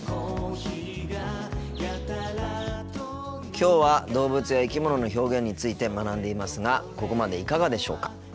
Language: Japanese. きょうは動物や生き物の表現について学んでいますがここまでいかがでしょうか。